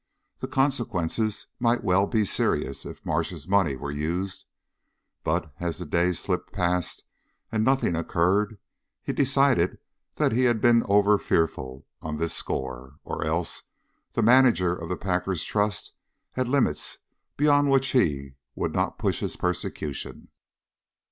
The consequences might well be serious if Marsh's money were used; but, as the days slipped past and nothing occurred, he decided that he had been overfearful on this score, or else that the manager of the Packers' Trust had limits beyond which he would not push his persecution.